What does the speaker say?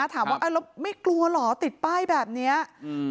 ถามว่าอ่าแล้วไม่กลัวเหรอติดป้ายแบบเนี้ยอืม